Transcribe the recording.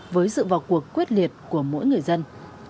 với sự vào cuộc quyết liệt của mỗi người dân